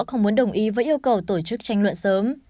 không muốn đồng ý với yêu cầu tổ chức tranh luận sớm